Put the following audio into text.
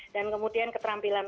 dan kemudian keterampilan